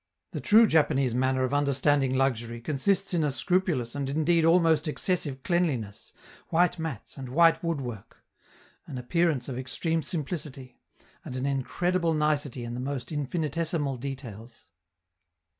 The true Japanese manner of understanding luxury consists in a scrupulous and indeed almost excessive cleanliness, white mats and white woodwork; an appearance of extreme simplicity, and an incredible nicety in the most infinitesimal details.